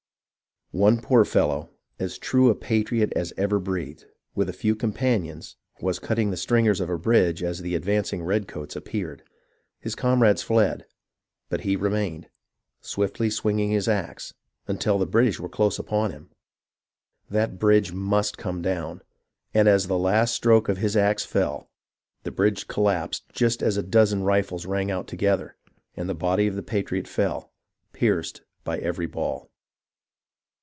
One poor fellow, as true a patriot as ever breathed, with a few companions, was cutting the stringers of a bridge as the advancing redcoats appeared. His com rades fled, but he remained, swiftly swinging his axe, until the British were close upon him. That bridge must come down, and as the last stroke of his axe fell, the bridge col lapsed just as a dozen rifles rang out together, and the body of the patriot fell, pierced by every ball.